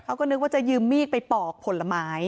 เขาก็นึกว่าจะยืมมีดไปปอกผลไม้